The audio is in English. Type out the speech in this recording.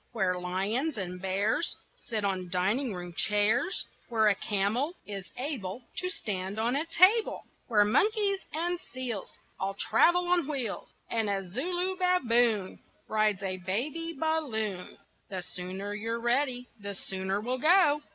Where lions and bears Sit on dining room chairs, Where a camel is able To stand on a table, Where monkeys and seals All travel on wheels, And a Zulu baboon Rides a baby balloon. The sooner you're ready, the sooner we'll go.